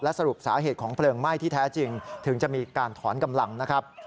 สรุปสาเหตุของเพลิงไหม้ที่แท้จริงถึงจะมีการถอนกำลังนะครับ